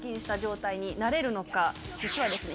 実はですね